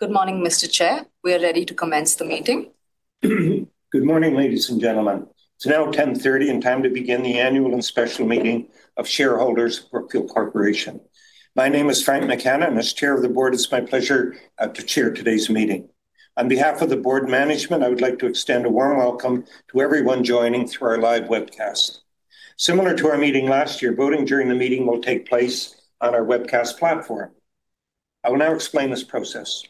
Good morning, Mr. Chair. We are ready to commence the meeting. Good morning, ladies and gentlemen. It's now 10:30 A.M. and time to begin the annual and special meeting of shareholders of Brookfield Corporation. My name is Frank McKenna, and as chair of the board, it's my pleasure to chair today's meeting. On behalf of the board management, I would like to extend a warm welcome to everyone joining through our live webcast. Similar to our meeting last year, voting during the meeting will take place on our webcast platform. I will now explain this process.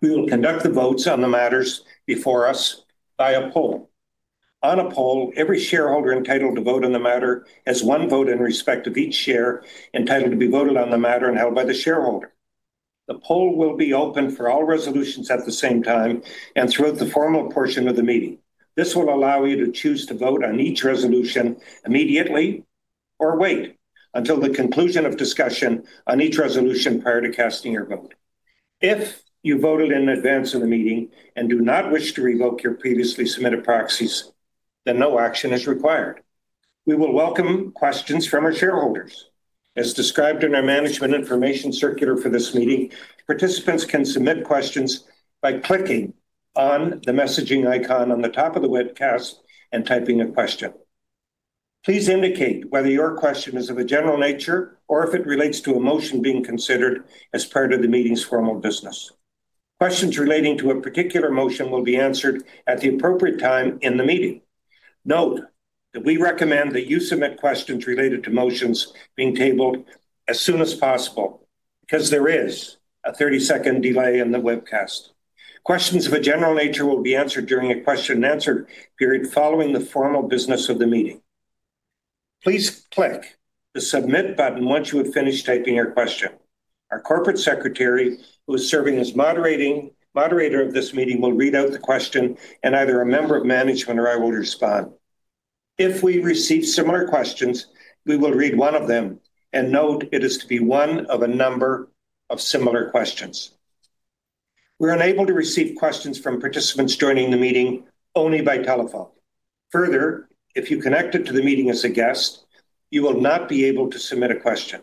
We will conduct the votes on the matters before us by a poll. On a poll, every shareholder entitled to vote on the matter has one vote in respect of each share entitled to be voted on the matter and held by the shareholder. The poll will be open for all resolutions at the same time and throughout the formal portion of the meeting. This will allow you to choose to vote on each resolution immediately or wait until the conclusion of discussion on each resolution prior to casting your vote. If you voted in advance of the meeting and do not wish to revoke your previously submitted proxies, then no action is required. We will welcome questions from our shareholders. As described in our Management Information Circular for this meeting, participants can submit questions by clicking on the messaging icon on the top of the webcast and typing a question. Please indicate whether your question is of a general nature or if it relates to a motion being considered as part of the meeting's formal business. Questions relating to a particular motion will be answered at the appropriate time in the meeting. Note that we recommend that you submit questions related to motions being tabled as soon as possible, because there is a 30-second delay in the webcast. Questions of a general nature will be answered during a question and answer period following the formal business of the meeting. Please click the Submit button once you have finished typing your question. Our corporate secretary, who is serving as moderator of this meeting, will read out the question, and either a member of management or I will respond. If we receive similar questions, we will read one of them and note it is to be one of a number of similar questions. We're unable to receive questions from participants joining the meeting only by telephone. Further, if you connected to the meeting as a guest, you will not be able to submit a question.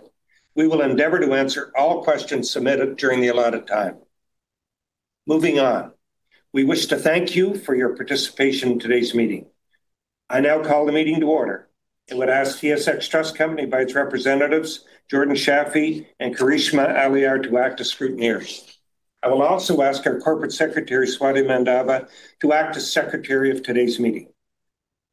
We will endeavor to answer all questions submitted during the allotted time. Moving on, we wish to thank you for your participation in today's meeting. I now call the meeting to order, and would ask TSX Trust Company by its representatives, Jordan Shafi and Karishma Aliar, to act as scrutineers. I will also ask our corporate secretary, Swati Mandava, to act as secretary of today's meeting.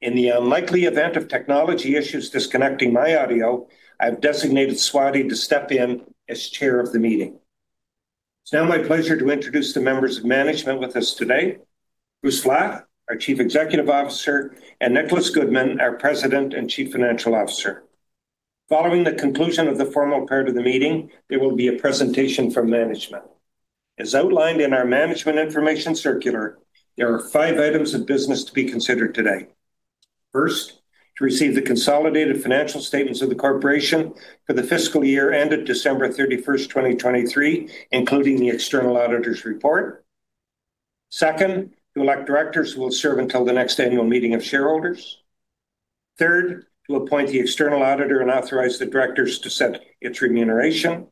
In the unlikely event of technology issues disconnecting my audio, I've designated Swati to step in as chair of the meeting. It's now my pleasure to introduce the members of management with us today: Bruce Flatt, our Chief Executive Officer, and Nicholas Goodman, our President and Chief Financial Officer. Following the conclusion of the formal part of the meeting, there will be a presentation from management. As outlined in our Management Information Circular, there are five items of business to be considered today. First, to receive the consolidated financial statements of the corporation for the fiscal year ended December 31st, 2023, including the external auditor's report. Second, to elect directors who will serve until the next annual meeting of shareholders. Third, to appoint the external auditor and authorize the directors to set its remuneration.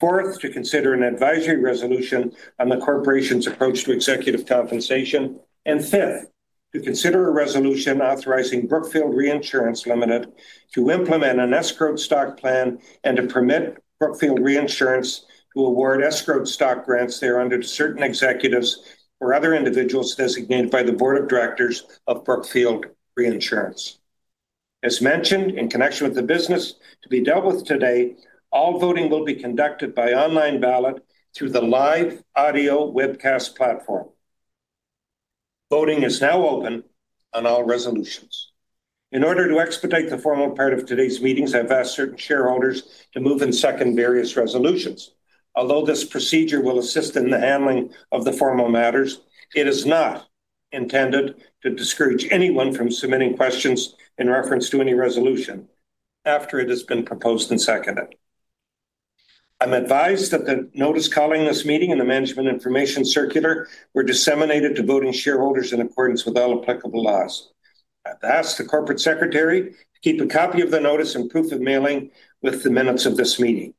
Fourth, to consider an advisory resolution on the corporation's approach to executive compensation. And fifth, to consider a resolution authorizing Brookfield Reinsurance Limited to implement an Escrowed Stock Plan and to permit Brookfield Reinsurance to award escrowed stock grants thereunder to certain executives or other individuals designated by the Board of Directors of Brookfield Reinsurance. As mentioned, in connection with the business to be dealt with today, all voting will be conducted by online ballot through the live audio webcast platform. Voting is now open on all resolutions. In order to expedite the formal part of today's meetings, I've asked certain shareholders to move and second various resolutions. Although this procedure will assist in the handling of the formal matters, it is not intended to discourage anyone from submitting questions in reference to any resolution after it has been proposed and seconded. I'm advised that the notice calling this meeting and the Management Information Circular were disseminated to voting shareholders in accordance with all applicable laws. I'd ask the corporate secretary to keep a copy of the notice and proof of mailing with the minutes of this meeting.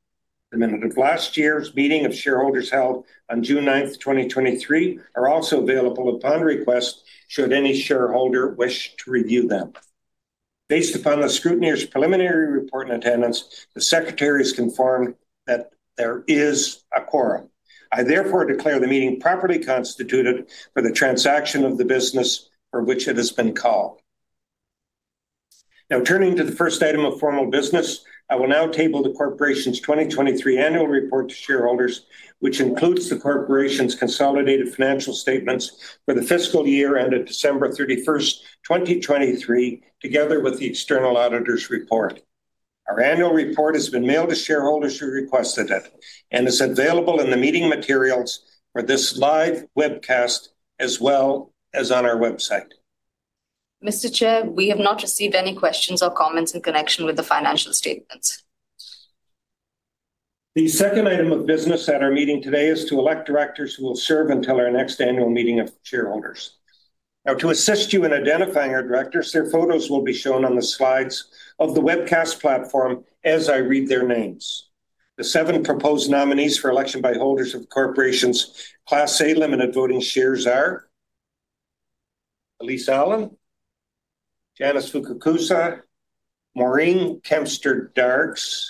The minutes of last year's meeting of shareholders held on June ninth, 2023, are also available upon request, should any shareholder wish to review them. Based upon the scrutineer's preliminary report and attendance, the secretaries confirm that there is a quorum. I therefore declare the meeting properly constituted for the transaction of the business for which it has been called. Now, turning to the first item of formal business, I will now table the corporation's 2023 Annual Report to shareholders, which includes the corporation's consolidated financial statements for the fiscal year ended December 31st, 2023, together with the external auditor's report. Our Annual Report has been mailed to shareholders who requested it and is available in the meeting materials for this live webcast, as well as on our website. Mr. Chair, we have not received any questions or comments in connection with the financial statements. The second item of business at our meeting today is to elect directors who will serve until our next annual meeting of shareholders. Now, to assist you in identifying our directors, their photos will be shown on the slides of the webcast platform as I read their names. The seven proposed nominees for election by holders of the corporation's Class A Limited Voting Shares are: Elyse Allan, Janice Fukakusa, Maureen Kempston Darkes,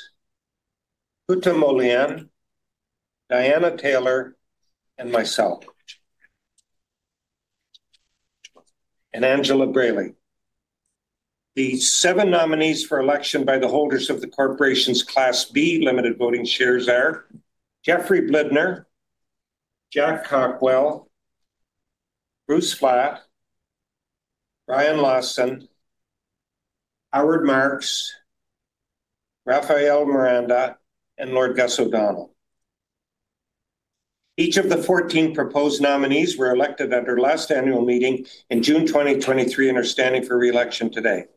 Hutham Olayan, Diana Taylor, and myself, and Angela Braly. The seven nominees for election by the holders of the corporation's Class B Limited Voting Shares are: Jeff Blidner, Jack Cockwell, Bruce Flatt, Brian Lawson, Howard Marks, Rafael Miranda, and Lord Gus O'Donnell. Each of the 14 proposed nominees were elected at our last annual meeting in June 2023, and are standing for re-election today.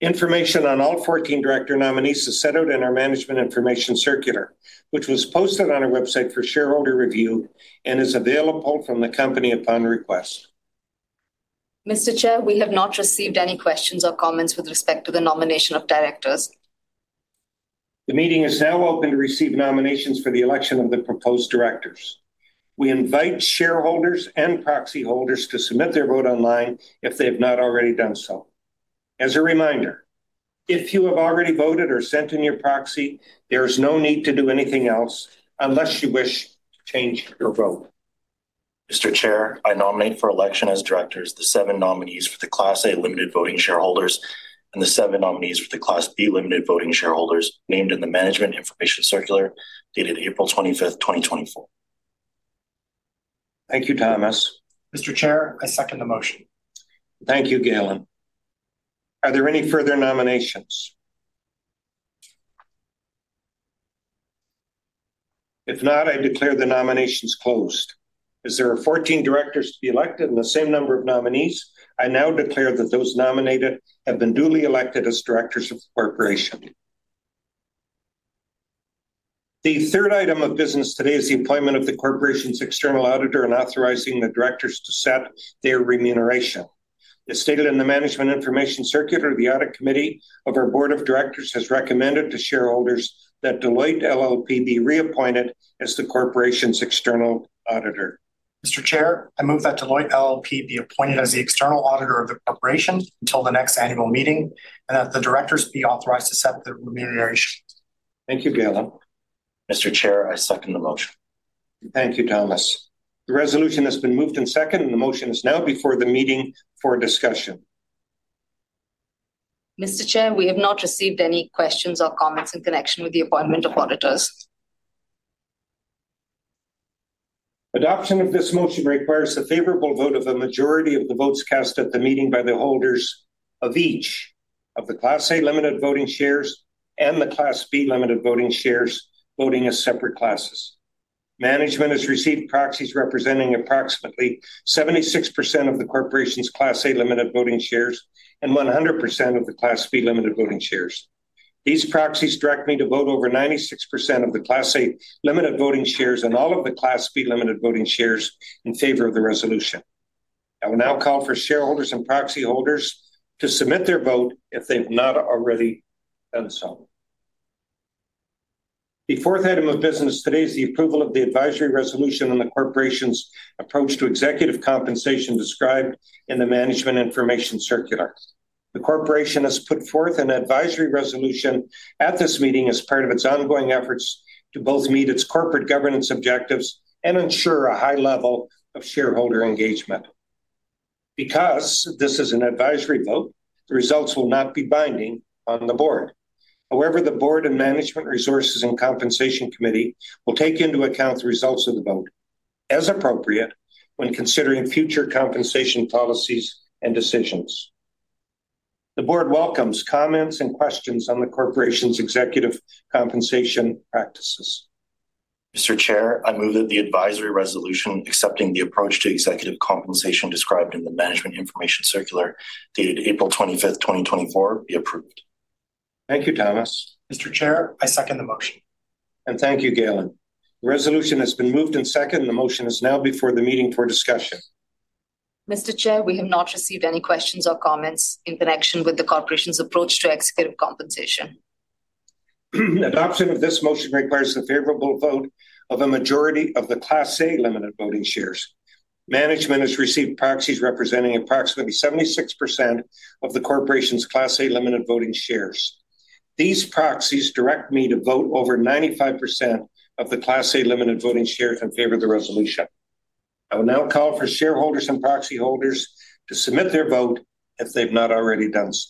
Information on all 14 director nominees is set out in our Management Information Circular, which was posted on our website for shareholder review and is available from the company upon request. Mr. Chair, we have not received any questions or comments with respect to the nomination of directors. The meeting is now open to receive nominations for the election of the proposed directors. We invite shareholders and proxy holders to submit their vote online if they have not already done so. As a reminder, if you have already voted or sent in your proxy, there is no need to do anything else unless you wish to change your vote. Mr. Chair, I nominate for election as directors the seven nominees for the Class A limited voting shareholders and the seven nominees for the Class B limited voting shareholders named in the Management Information Circular, dated April 25th, 2024. Thank you, Thomas. Mr. Chair, I second the motion. Thank you, Galen. Are there any further nominations? If not, I declare the nominations closed. As there are 14 directors to be elected and the same number of nominees, I now declare that those nominated have been duly elected as directors of the corporation. The third item of business today is the appointment of the corporation's external auditor and authorizing the directors to set their remuneration. As stated in the Management Information Circular, the Audit Committee of our Board of Directors has recommended to shareholders that Deloitte LLP be reappointed as the corporation's external auditor. Mr. Chair, I move that Deloitte LLP be appointed as the external auditor of the corporation until the next annual meeting, and that the directors be authorized to set the remuneration. Thank you, Galen. Mr. Chair, I second the motion. Thank you, Thomas. The resolution has been moved and seconded, and the motion is now before the meeting for discussion. Mr. Chair, we have not received any questions or comments in connection with the appointment of auditors. Adoption of this motion requires a favorable vote of the majority of the votes cast at the meeting by the holders of each of the Class A Limited Voting Shares and the Class B Limited Voting Shares, voting as separate classes. Management has received proxies representing approximately 76% of the corporation's Class A Limited Voting Shares and 100% of the Class B Limited Voting Shares. These proxies direct me to vote over 96% of the Class A Limited Voting Shares and all of the Class B Limited Voting Shares in favor of the resolution. I will now call for shareholders and proxy holders to submit their vote if they've not already done so. The fourth item of business today is the approval of the advisory resolution on the corporation's approach to executive compensation described in the Management Information Circular. The corporation has put forth an advisory resolution at this meeting as part of its ongoing efforts to both meet its corporate governance objectives and ensure a high level of shareholder engagement. Because this is an advisory vote, the results will not be binding on the board. However, the Board of Management Resources and Compensation Committee will take into account the results of the vote, as appropriate, when considering future compensation policies and decisions. The board welcomes comments and questions on the corporation's executive compensation practices. Mr. Chair, I move that the advisory resolution accepting the approach to executive compensation described in the Management Information Circular, dated April 25th, 2024, be approved. Thank you, Thomas. Mr. Chair, I second the motion. Thank you, Galen. The resolution has been moved and seconded. The motion is now before the meeting for discussion. Mr. Chair, we have not received any questions or comments in connection with the corporation's approach to executive compensation. Adoption of this motion requires the favorable vote of a majority of the Class A Limited Voting Shares. Management has received proxies representing approximately 76% of the corporation's Class A Limited Voting Shares. These proxies direct me to vote over 95% of the Class A Limited Voting Shares in favor of the resolution. I will now call for shareholders and proxy holders to submit their vote if they've not already done so.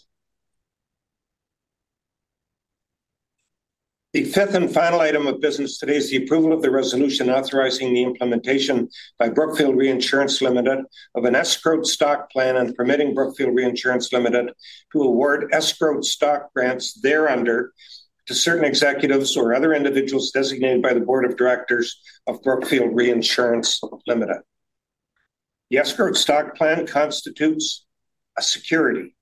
The fifth and final item of business today is the approval of the resolution authorizing the implementation by Brookfield Reinsurance Limited of an Escrowed Stock Plan and permitting Brookfield Reinsurance Limited to award escrowed stock grants thereunder to certain executives or other individuals designated by the Board of Directors of Brookfield Reinsurance Limited. The Escrowed Stock Plan constitutes a security-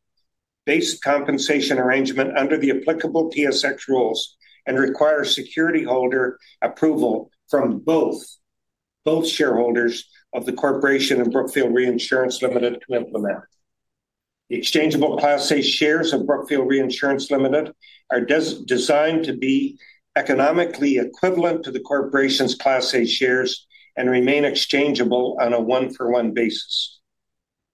Security-based compensation arrangement under the applicable TSX rules and require security holder approval from both shareholders of the corporation and Brookfield Reinsurance Limited to implement. The exchangeable Class A shares of Brookfield Reinsurance Limited are designed to be economically equivalent to the corporation's Class A shares and remain exchangeable on a one-for-one basis.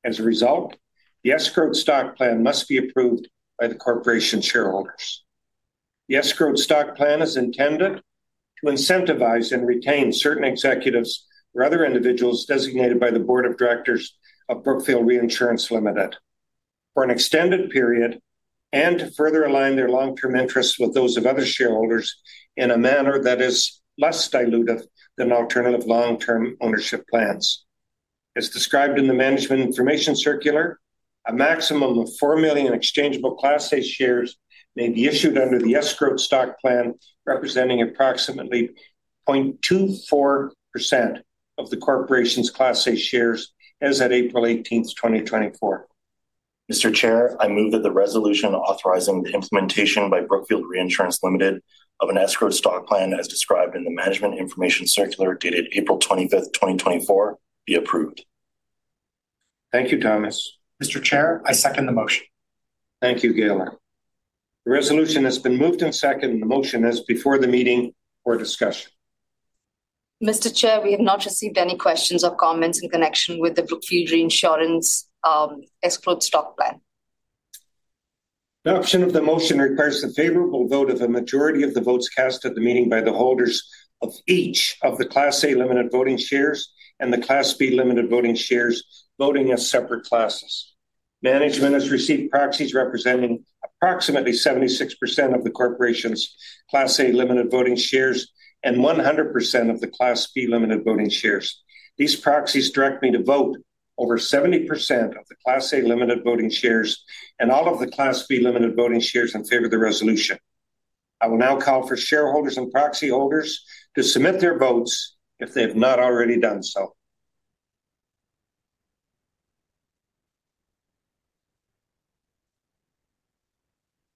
As a result, the Escrowed Stock Plan must be approved by the corporation shareholders. The Escrowed Stock Plan is intended to incentivize and retain certain executives or other individuals designated by the Board of Directors of Brookfield Reinsurance Limited for an extended period, and to further align their long-term interests with those of other shareholders in a manner that is less dilutive than alternative long-term ownership plans. As described in the Management Information Circular, a maximum of 4 million exchangeable Class A shares may be issued under the Escrowed Stock Plan, representing approximately 0.24% of the corporation's Class A shares as at April 18th, 2024. Mr. Chair, I move that the resolution authorizing the implementation by Brookfield Reinsurance Limited of an Escrowed Stock Plan, as described in the Management Information Circular dated April 25th, 2024, be approved. Thank you, Thomas. Mr. Chair, I second the motion. Thank you, Miller. The resolution has been moved and seconded. The motion is before the meeting for discussion. Mr. Chair, we have not received any questions or comments in connection with the Brookfield Reinsurance, Escrowed Stock Plan. Adoption of the motion requires the favorable vote of a majority of the votes cast at the meeting by the holders of each of the Class A Limited Voting Shares and the Class B Limited Voting Shares, voting as separate classes. Management has received proxies representing approximately 76% of the corporation's Class A Limited Voting Shares and 100% of the Class B Limited Voting Shares. These proxies direct me to vote over 70% of the Class A Limited Voting Shares and all of the Class B Limited Voting Shares in favor of the resolution. I will now call for shareholders and proxy holders to submit their votes if they have not already done so.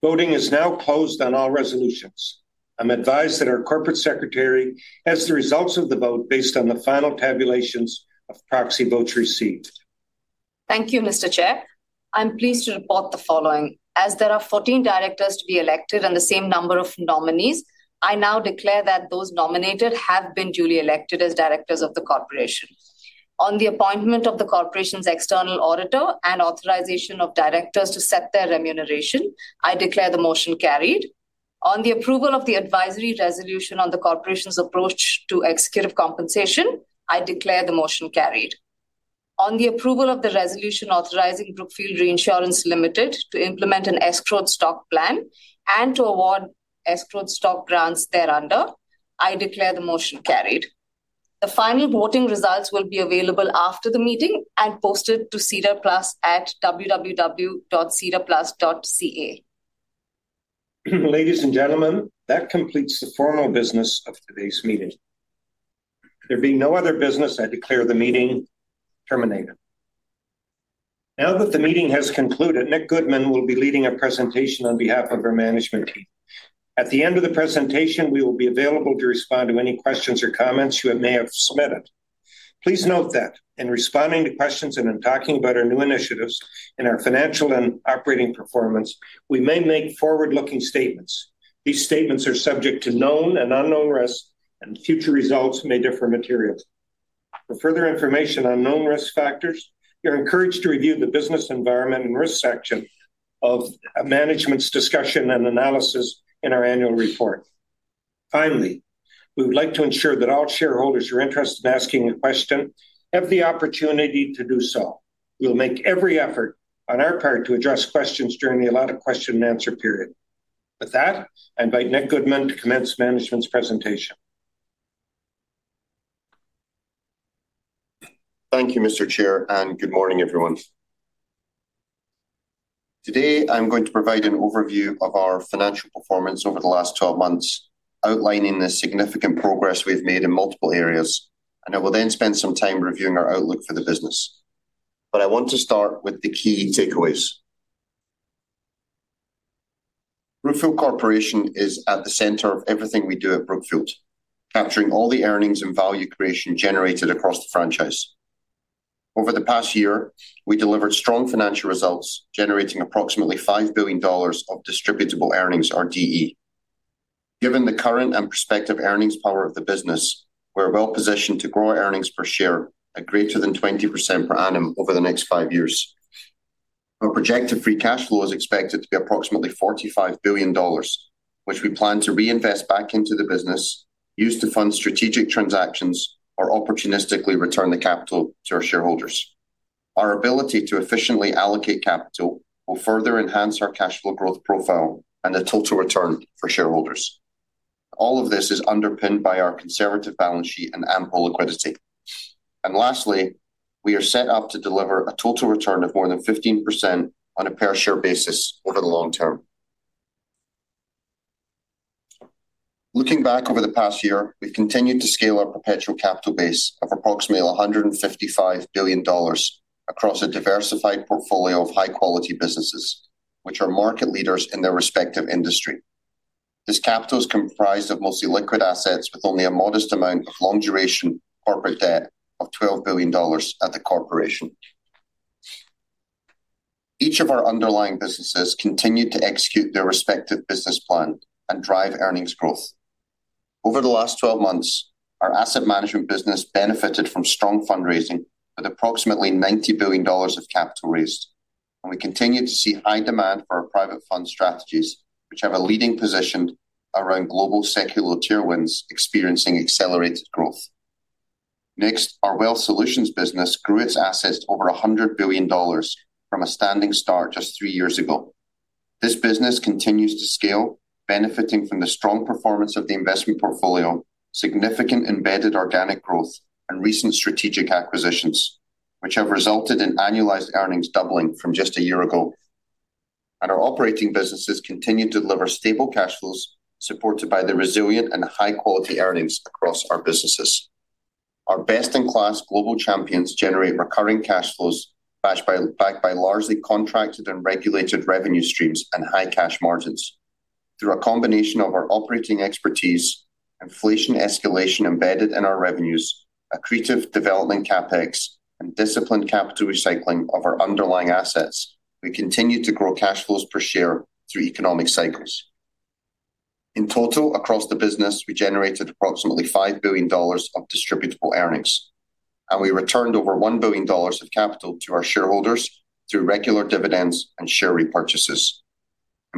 Voting is now closed on all resolutions. I'm advised that our corporate secretary has the results of the vote based on the final tabulations of proxy votes received. Thank you, Mr. Chair. I'm pleased to report the following: As there are 14 directors to be elected and the same number of nominees, I now declare that those nominated have been duly elected as directors of the corporation. On the appointment of the corporation's external auditor and authorization of directors to set their remuneration, I declare the motion carried. On the approval of the advisory resolution on the corporation's approach to executive compensation, I declare the motion carried. On the approval of the resolution authorizing Brookfield Reinsurance Limited to implement an Escrowed Stock Plan and to award escrowed stock grants thereunder, I declare the motion carried. The final voting results will be available after the meeting and posted to SEDAR+ at www.sedarplus.ca. Ladies and gentlemen, that completes the formal business of today's meeting. There being no other business, I declare the meeting terminated. Now that the meeting has concluded, Nick Goodman will be leading a presentation on behalf of our management team. At the end of the presentation, we will be available to respond to any questions or comments you may have submitted. Please note that in responding to questions and in talking about our new initiatives and our financial and operating performance, we may make forward-looking statements. These statements are subject to known and unknown risks, and future results may differ materially. For further information on known risk factors, you're encouraged to review the Business Environment and Risk section of Management's Discussion and Analysis in our Annual Report. Finally, we would like to ensure that all shareholders who are interested in asking a question have the opportunity to do so. We'll make every effort on our part to address questions during the allotted question and answer period. With that, I invite Nick Goodman to commence management's presentation. Thank you, Mr. Chair, and good morning, everyone. Today, I'm going to provide an overview of our financial performance over the last twelve months, outlining the significant progress we've made in multiple areas. I will then spend some time reviewing our outlook for the business. But I want to start with the key takeaways. Brookfield Corporation is at the center of everything we do at Brookfield, capturing all the earnings and value creation generated across the franchise. Over the past year, we delivered strong financial results, generating approximately $5 billion of Distributable Earnings, or DE. Given the current and prospective earnings power of the business, we're well-positioned to grow our earnings per share at greater than 20% per annum over the next five years. Our projected free cash flow is expected to be approximately $45 billion, which we plan to reinvest back into the business, use to fund strategic transactions, or opportunistically return the capital to our shareholders. Our ability to efficiently allocate capital will further enhance our cash flow growth profile and the total return for shareholders. All of this is underpinned by our conservative balance sheet and ample liquidity. Lastly, we are set up to deliver a total return of more than 15% on a per-share basis over the long term. Looking back over the past year, we've continued to scale our perpetual capital base of approximately $155 billion across a diversified portfolio of high-quality businesses, which are market leaders in their respective industry. This capital is comprised of mostly liquid assets, with only a modest amount of long-duration corporate debt of $12 billion at the corporation. Each of our underlying businesses continued to execute their respective business plan and drive earnings growth. Over the last 12 months, our asset management business benefited from strong fundraising, with approximately $90 billion of capital raised, and we continue to see high demand for our private fund strategies, which have a leading position around global secular tailwinds, experiencing accelerated growth. Next, our wealth solutions business grew its assets to over $100 billion from a standing start just three years ago. This business continues to scale, benefiting from the strong performance of the investment portfolio, significant embedded organic growth, and recent strategic acquisitions, which have resulted in annualized earnings doubling from just a year ago. Our operating businesses continue to deliver stable cash flows, supported by the resilient and high-quality earnings across our businesses. Our best-in-class global champions generate recurring cash flows, backed by, backed by largely contracted and regulated revenue streams and high cash margins. Through a combination of our operating expertise, inflation escalation embedded in our revenues, accretive development CapEx, and disciplined capital recycling of our underlying assets, we continue to grow cash flows per share through economic cycles. In total, across the business, we generated approximately $5 billion of Distributable Earnings, and we returned over $1 billion of capital to our shareholders through regular dividends and share repurchases.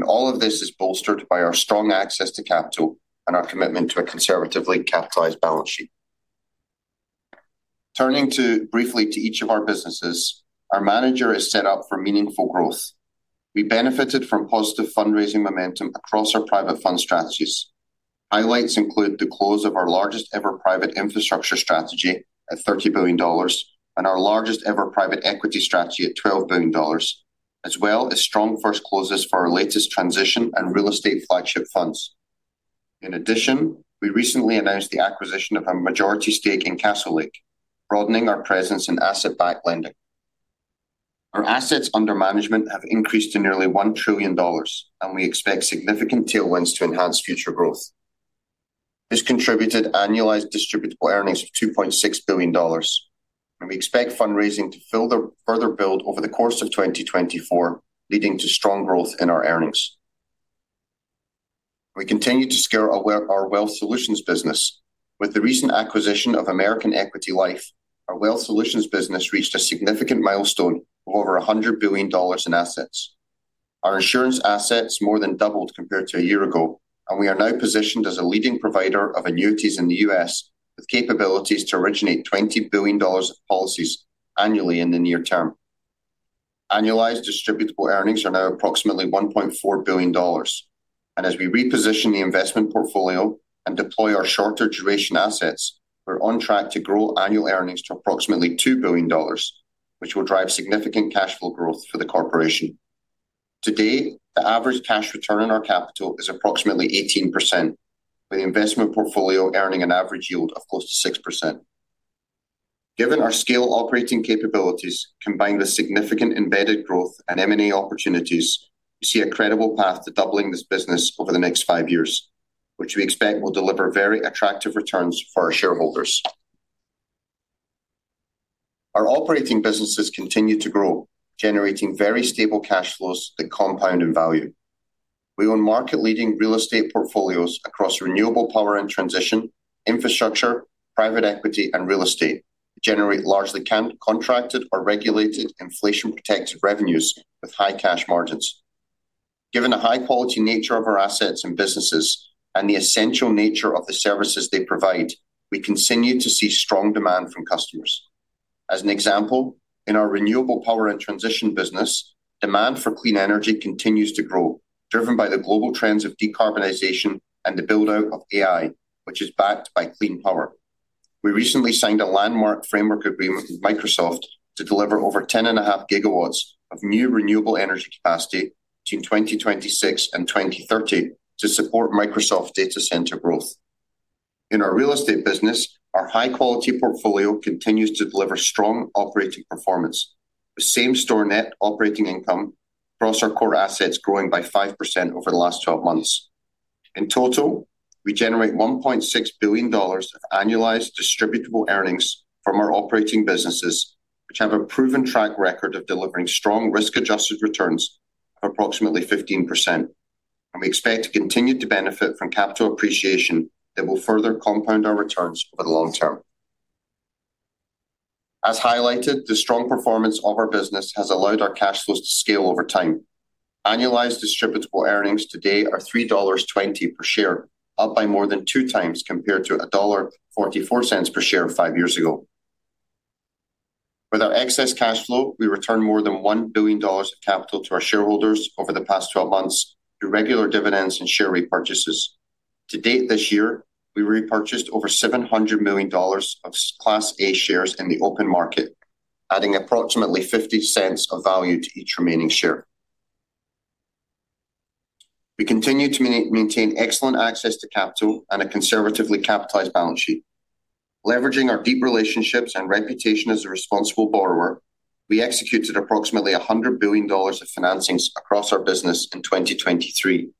All of this is bolstered by our strong access to capital and our commitment to a conservatively capitalized balance sheet. Turning to, briefly to each of our businesses, our manager is set up for meaningful growth. We benefited from positive fundraising momentum across our private fund strategies. Highlights include the close of our largest-ever private infrastructure strategy at $30 billion and our largest-ever private equity strategy at $12 billion, as well as strong first closes for our latest transition and real estate flagship funds. In addition, we recently announced the acquisition of a majority stake in Castlelake, broadening our presence in asset-backed lending. Our assets under management have increased to nearly $1 trillion, and we expect significant tailwinds to enhance future growth. This contributed annualized Distributable Earnings of $2.6 billion, and we expect fundraising to further build over the course of 2024, leading to strong growth in our earnings. We continue to scale our wealth solutions business. With the recent acquisition of American Equity Life, our wealth solutions business reached a significant milestone of over $100 billion in assets. Our insurance assets more than doubled compared to a year ago, and we are now positioned as a leading provider of annuities in the US, with capabilities to originate $20 billion of policies annually in the near term. Annualized Distributable Earnings are now approximately $1.4 billion, and as we reposition the investment portfolio and deploy our shorter duration assets, we're on track to grow annual earnings to approximately $2 billion, which will drive significant cash flow growth for the corporation. Today, the average cash return on our capital is approximately 18%, with the investment portfolio earning an average yield of close to 6%. Given our scale operating capabilities, combined with significant embedded growth and M&A opportunities, we see a credible path to doubling this business over the next five years, which we expect will deliver very attractive returns for our shareholders. Our operating businesses continue to grow, generating very stable cash flows that compound in value. We own market-leading real estate portfolios across renewable power and transition, infrastructure, private equity, and real estate, that generate largely contracted or regulated inflation-protected revenues with high cash margins. Given the high-quality nature of our assets and businesses and the essential nature of the services they provide, we continue to see strong demand from customers. As an example, in our renewable power and transition business, demand for clean energy continues to grow, driven by the global trends of decarbonization and the build-out of AI, which is backed by clean power. We recently signed a landmark framework agreement with Microsoft to deliver over 10.5 GW of new renewable energy capacity between 2026 and 2030 to support Microsoft data center growth. In our real estate business, our high-quality portfolio continues to deliver strong operating performance, with same-store net operating income across our core assets growing by 5% over the last 12 months. In total, we generate $1.6 billion of annualized Distributable Earnings from our operating businesses, which have a proven track record of delivering strong risk-adjusted returns of approximately 15%, and we expect to continue to benefit from capital appreciation that will further compound our returns over the long term. As highlighted, the strong performance of our business has allowed our cash flows to scale over time. Annualized Distributable Earnings today are $3.20 per share, up by more than two times compared to $1.44 per share five years ago. With our excess cash flow, we returned more than $1 billion of capital to our shareholders over the past twelve months through regular dividends and share repurchases. To date this year, we repurchased over $700 million of Class A shares in the open market, adding approximately $0.50 of value to each remaining share. We continue to maintain excellent access to capital and a conservatively capitalized balance sheet. Leveraging our deep relationships and reputation as a responsible borrower, we executed approximately $100 billion of financings across our business in 2023.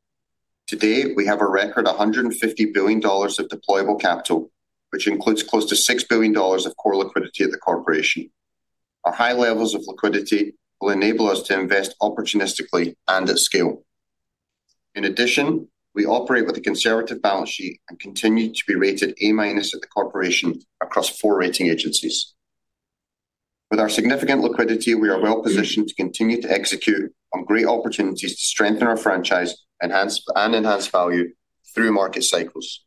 Today, we have a record $150 billion of deployable capital, which includes close to $6 billion of core liquidity at the corporation. Our high levels of liquidity will enable us to invest opportunistically and at scale. In addition, we operate with a conservative balance sheet and continue to be rated A- at the corporation across four rating agencies. With our significant liquidity, we are well-positioned to continue to execute on great opportunities to strengthen our franchise, enhance, and enhance value through market cycles.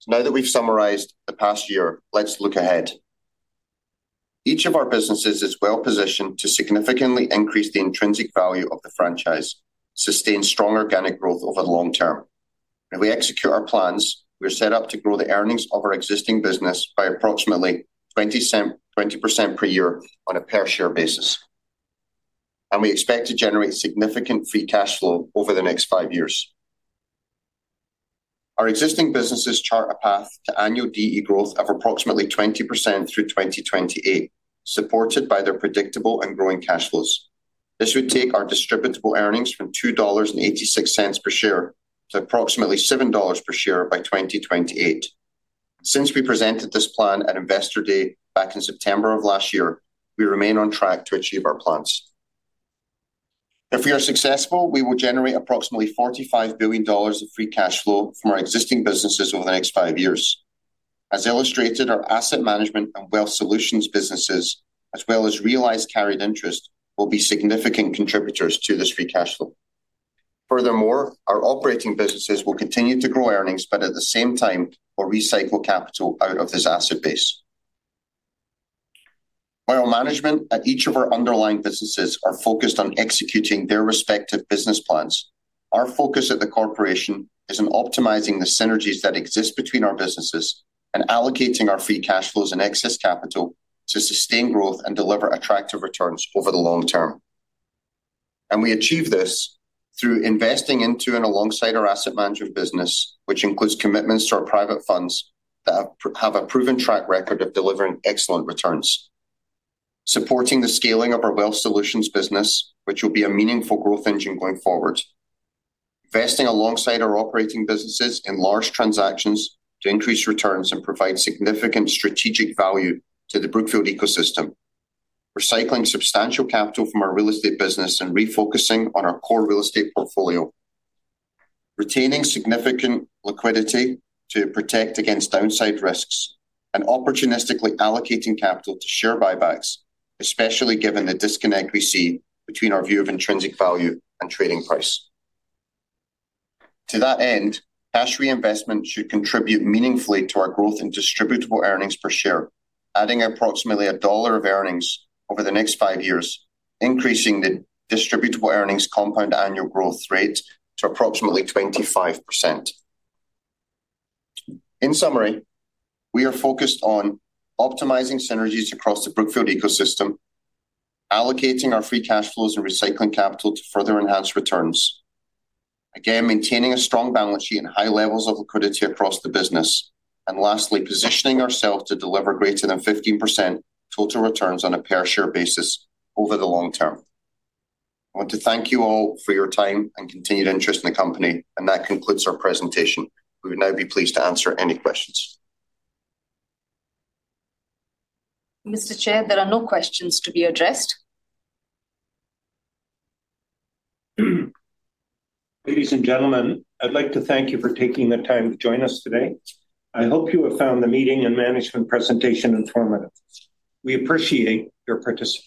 So now that we've summarized the past year, let's look ahead. Each of our businesses is well-positioned to significantly increase the intrinsic value of the franchise, sustain strong organic growth over the long term. If we execute our plans, we're set up to grow the earnings of our existing business by approximately 20% per year on a per share basis, and we expect to generate significant free cash flow over the next five years. Our existing businesses chart a path to annual DE growth of approximately 20% through 2028, supported by their predictable and growing cash flows. This would take our Distributable Earnings from $2.86 per share to approximately $7 per share by 2028. Since we presented this plan at Investor Day back in September of last year, we remain on track to achieve our plans. If we are successful, we will generate approximately $45 billion of free cash flow from our existing businesses over the next five years. As illustrated, our asset management and wealth solutions businesses, as well as realized carried interest, will be significant contributors to this free cash flow. Furthermore, our operating businesses will continue to grow earnings, but at the same time, will recycle capital out of this asset base. While management at each of our underlying businesses are focused on executing their respective business plans, our focus at the corporation is on optimizing the synergies that exist between our businesses and allocating our free cash flows and excess capital to sustain growth and deliver attractive returns over the long term. We achieve this through investing into and alongside our asset management business, which includes commitments to our private funds that have have a proven track record of delivering excellent returns, supporting the scaling of our wealth solutions business, which will be a meaningful growth engine going forward. Investing alongside our operating businesses in large transactions to increase returns and provide significant strategic value to the Brookfield ecosystem. Recycling substantial capital from our real estate business and refocusing on our core real estate portfolio. Retaining significant liquidity to protect against downside risks and opportunistically allocating capital to share buybacks, especially given the disconnect we see between our view of intrinsic value and trading price. To that end, cash reinvestment should contribute meaningfully to our growth in Distributable Earnings per share, adding approximately $1 of earnings over the next five years, increasing the Distributable Earnings compound annual growth rate to approximately 25%. In summary, we are focused on optimizing synergies across the Brookfield ecosystem, allocating our free cash flows and recycling capital to further enhance returns. Again, maintaining a strong balance sheet and high levels of liquidity across the business. And lastly, positioning ourselves to deliver greater than 15% total returns on a per share basis over the long term. I want to thank you all for your time and continued interest in the company, and that concludes our presentation. We would now be pleased to answer any questions. Mr. Chair, there are no questions to be addressed. Ladies and gentlemen, I'd like to thank you for taking the time to join us today. I hope you have found the meeting and management presentation informative. We appreciate your participation.